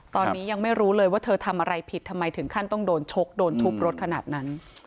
ตอนนี้ยังไม่รู้เลยว่าเธอทำอะไรผิดทำไมถึงขั้นต้องโดนชกโดนทุบรถขนาดนั้น